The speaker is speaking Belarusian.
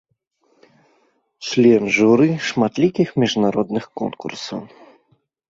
Член журы шматлікіх міжнародных конкурсаў.